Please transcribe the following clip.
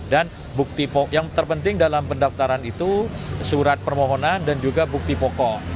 dan bukti pokok yang terpenting dalam pendaftaran itu surat permohonan dan juga bukti pokok